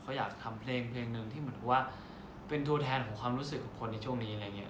เขาอยากจะทำเพลงเพลงหนึ่งที่เหมือนว่าเป็นตัวแทนของความรู้สึกของคนในช่วงนี้อะไรอย่างนี้